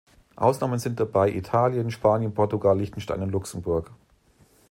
Ausnahmen sind dabei Italien, Spanien, Portugal, Liechtenstein und Luxemburg.